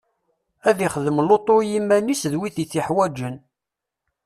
Ad ixdem lutu i yiman-is d wid i t-yuḥwaǧen.